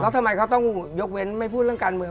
ทำไมเขาต้องยกเว้นไม่พูดเรื่องการเมือง